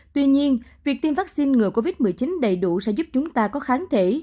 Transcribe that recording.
tuy nhiên việc tiêm vaccine ngừa covid một mươi chín đầy đủ sẽ giúp chúng ta có kháng thể